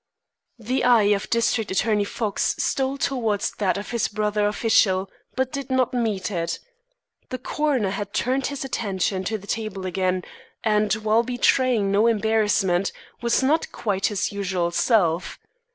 The eye of District Attorney Fox stole towards that of his brother official, but did not meet it. The coroner had turned his attention to the table again, and, while betraying no embarrassment, was not quite his usual self.